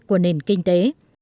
của nền kinh tế